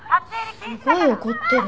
すごい怒ってる。